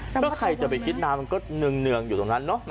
ถ้าใครจะไปคิดน้ำมันก็เนืองอยู่ตรงนั้นเนอะ